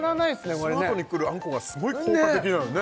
これねそのあとにくるあんこがすごい効果的なのよね